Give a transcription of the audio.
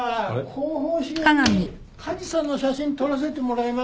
広報誌用に梶さんの写真撮らせてもらいます。